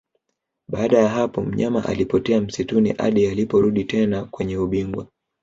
Baada ya hapo mnyama alipotea msituni hadi aliporudi tena kwenye ubingwa